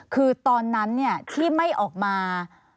คือตอนนั้นที่ไม่ออกมา